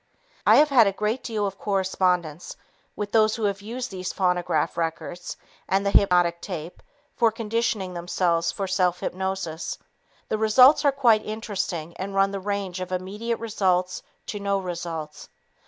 I have had a great deal of correspondence with those who have used these phonograph records and the hypnotic tape for conditioning themselves for self hypnosis. The results are quite interesting and run the range of immediate results to no results.